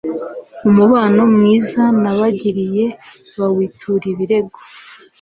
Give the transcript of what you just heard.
umubano mwiza nabagiriye bawitura ibirego